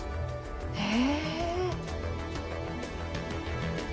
へえ。